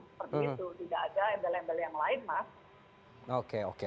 tidak ada embel embel yang lain mas